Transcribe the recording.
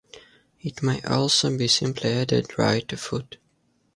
It may also be simply added dry to food.